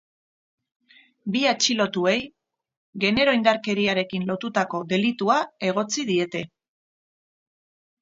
Bi atxilotuei genero-indarkeriarekin lotutako delitua egotzi diete.